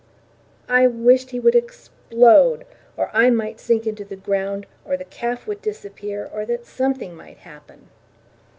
I wished he would explode, or I might sink into the ground, or the calf would disappear, or that something might happen.